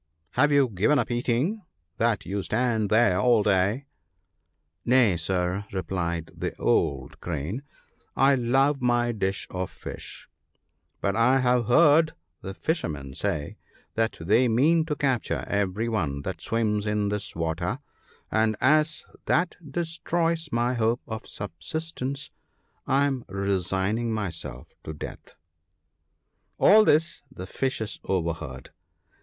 have you given up eating, that you stand there all day ?'* Nay, sir !' replied the old Crane ; i I love my dish of fish, but I have heard the fishermen say that they mean to capture every one that swims in this water ; and as that destroys my hope of subsistence, I am resigning myself to death/ All this the fishes overheard.